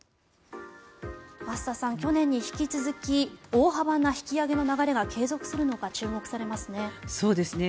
増田さん、去年に引き続き大幅な引き上げの流れが継続するのか注目されますね。